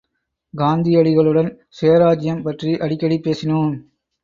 காந்தியடிகளுடன் சுயராச்சியம் பற்றி அடிக்கடி பேசினோம்.